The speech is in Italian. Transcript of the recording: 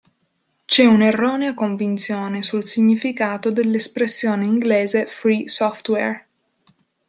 C'è un'erronea convinzione sul significato dell'espressione inglese "Free Software".